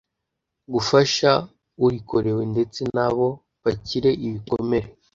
gufasha urikorewe ndetse nabo bakire ibikomere.